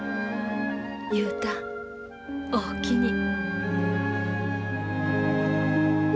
雄太おおきに。